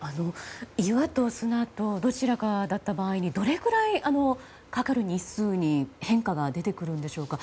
岩と砂とどちらかだった場合にどれぐらいかかる日数に変化が出てくるんでしょうか。